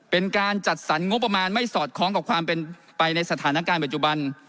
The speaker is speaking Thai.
เป็นการจัดสรรงบประมาณไม่สอดคล้องกับความเป็นไปในสถานการณ์ปัจจุบัน